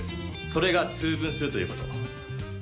それが「通分」するということ。